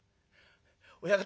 「親方